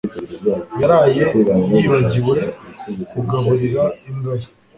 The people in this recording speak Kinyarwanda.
yaraye yibagiwe kugaburira imbwa ye